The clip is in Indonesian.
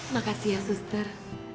makasih ya suster